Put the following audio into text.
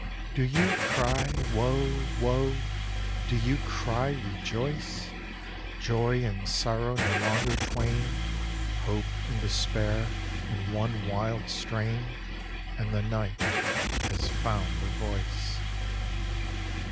Do you cry, Woe! Woe! Do you cry, Rejoice! Joy and sorrow no longer twain, Hope and despair in one wild strain, And the night has found a voice.